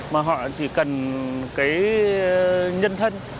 mà họ chỉ cần nhân thân